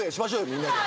みんなで。